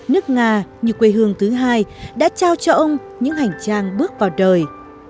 nước nga như quê hương thứ hai đã trao cho ông những hành trang bước vào đời